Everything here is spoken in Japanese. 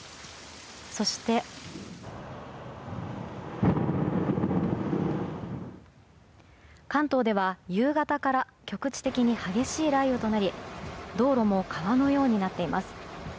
そして、関東では夕方から局地的に激しい雷雨となり道路も川のようになっています。